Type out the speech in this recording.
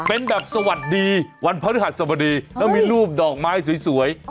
เป็นแบบสวัสดีวันพระฤหัสสบดีแล้วมีรูปดอกไม้สวย